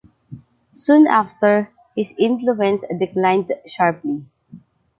Soon after, his influence declined sharply.